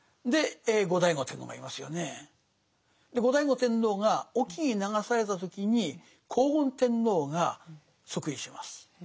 後醍醐天皇が隠岐に流された時に光厳天皇が即位します。